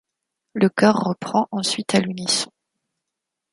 Le chœur reprend ensuite à l'unisson.